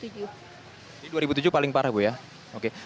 jadi dua ribu tujuh paling parah bu ya oke